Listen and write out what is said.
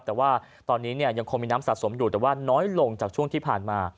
แต่ว่าตอนนี้ยังคงมีน้ำสะสมอยู่แต่ว่าน้อยลงจากช่วงที่ผ่านมา